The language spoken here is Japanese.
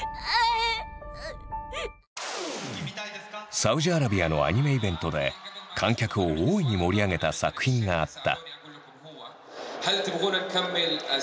サウジアラビアのアニメイベントで観客を大いに盛り上げた作品があった。